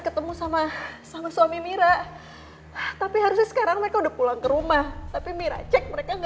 ketemu sama sama suami mira tapi harusnya sekarang mereka udah pulang ke rumah tapi mira jack mereka nggak